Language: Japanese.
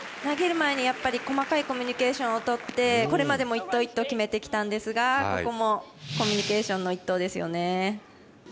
投げる前に、細かいコミュニケーションをとってこれまでも１投１投決めてきたんですがここもコミュニケーションの１投ですよね。